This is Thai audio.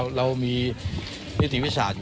ว่าเขาลงมือครับ